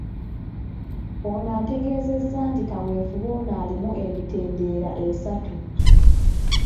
Ono ategeezezza nti kaweefube ono alimu emitendera esatu.